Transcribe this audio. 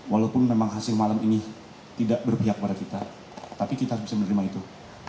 walaupun memang hasil malam ini tidak berpihak pada kita tapi kita bisa menerima itu